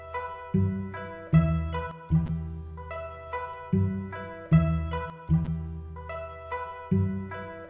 kayaknya dia udah ke sana